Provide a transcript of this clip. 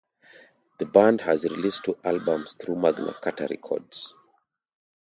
The band has released two albums through Magna Carta Records.